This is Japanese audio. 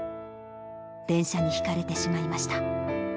電車にひかれてしまいました。